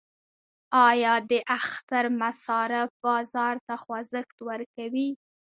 آیا د اختر مصارف بازار ته خوځښت ورکوي؟